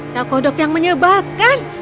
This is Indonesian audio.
tak kodok yang menyebalkan